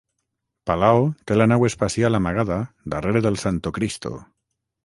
Palao té la nau espacial amagada darrere del Santocristo.